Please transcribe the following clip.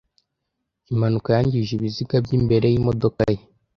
Impanuka yangije ibiziga byimbere yimodoka ye.